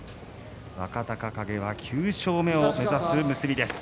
若隆景は９勝目を目指します。